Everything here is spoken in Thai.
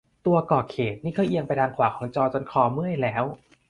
ตัวก่อเขตนี่ก็เอียงไปทางขวาของจอจนคอเมื่อยแล้ว